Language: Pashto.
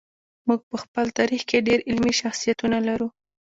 موږ په خپل تاریخ کې ډېر علمي شخصیتونه لرو.